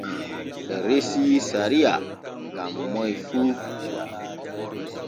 Ɓe resii sariya gam moy fu.